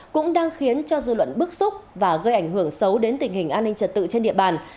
cũng đang khiến cho dư luận bức xúc và gây ảnh hưởng xấu đến tình hình an ninh trật tự trên địa bàn